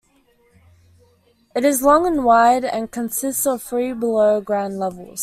It is long and wide, and consists of three below-ground levels.